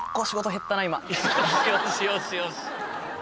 よしよしよしよし！